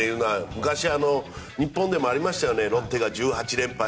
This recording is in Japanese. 昔、日本でもありましたよねロッテが１８連敗。